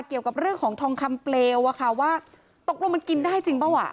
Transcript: เกี่ยวกับเรื่องของทองคำเปลวอะค่ะว่าตกลงมันกินได้จริงเปล่าอ่ะ